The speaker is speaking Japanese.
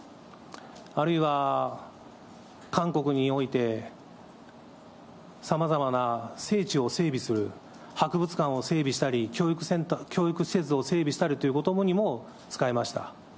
あるいは韓国において、さまざまな聖地を整備する、博物館を整備したり、教育施設を整備したりということにも使いました。